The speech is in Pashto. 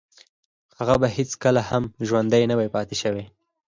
هغه به هیڅکله ژوندی نه و پاتې شوی